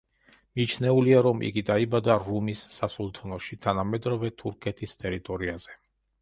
მიჩნეულია, რომ იგი დაიბადა რუმის სასულთნოში, თანამედროვე თურქეთის ტერიტორიაზე.